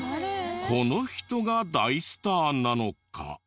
この人が大スターなのか？